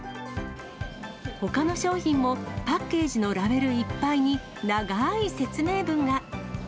ほかの商品もパッケージのラベルいっぱいに長い説明文が。